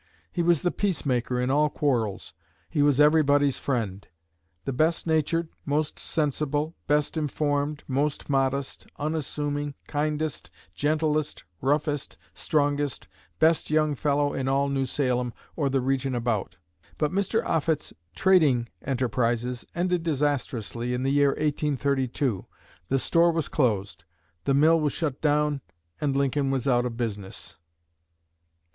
He was the peacemaker in all quarrels. He was everybody's friend the best natured, most sensible, best informed, most modest, unassuming, kindest, gentlest, roughest, strongest, best young fellow in all New Salem or the region about. But Mr. Offutt's trading enterprises ended disastrously in the year 1832. The store was closed, the mill was shut down, and Lincoln was out of business.